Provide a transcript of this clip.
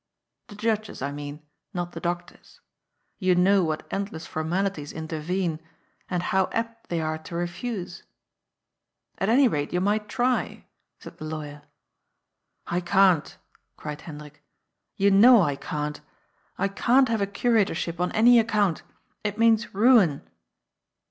The judges, I mean, not the doctors. You know what end less formalities intervene, and how apt they are to refuse?" *' At any rate, you might try," said the lawyer. " I can't," cried Hendrik. " You know I can't I can't have a curatorship on any account. It means ruin."